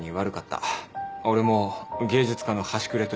俺も芸術家の端くれとして。